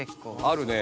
あるね！